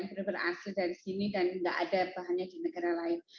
yang berhasil dari sini dan tidak ada bahannya di negara lain